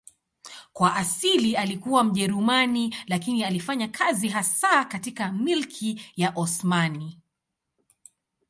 Kwa asili alikuwa Mjerumani lakini alifanya kazi hasa katika Milki ya Osmani.